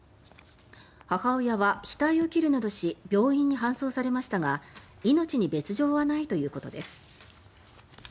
母親は額を切るなどし病院に搬送されましたが命に別条はないということです。